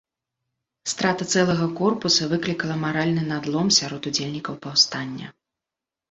Страта цэлага корпуса выклікала маральны надлом сярод удзельнікаў паўстання.